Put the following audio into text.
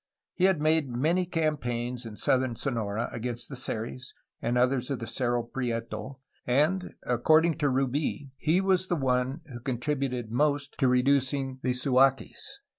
He had made many campaigns in southern Sonora against the Seris and others of the Cerro Prieto, and according to Rubl he was the one who contri buted most to reducing the Suaquis.